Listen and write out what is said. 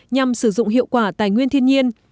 nhằm sử dụng hiệu quả tài nguyên thiên nhiên